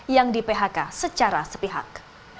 yang di phk secara sepihak